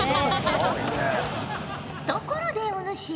ところでお主ら。